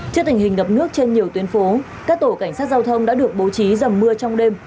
trước tình hình ngập nước trên nhiều tuyến phố các tổ cảnh sát giao thông đã được bố trí dầm mưa trong đêm